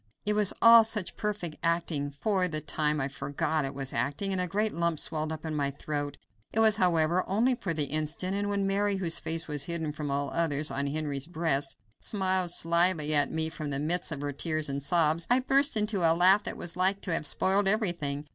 It was all such perfect acting that for the time I forgot it was acting, and a great lump swelled up in my throat. It was, however, only for the instant, and when Mary, whose face was hidden from all the others, on Henry's breast, smiled slyly at me from the midst of her tears and sobs, I burst into a laugh that was like to have spoiled everything.